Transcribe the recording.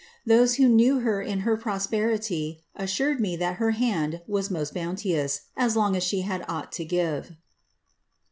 Those who knew her in her prosperity assured me that ber hand was most bounteous, as long as she had aught to give."